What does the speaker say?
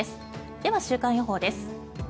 では週間予報です。